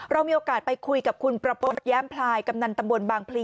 เรามีโอกาสไปคุยกับ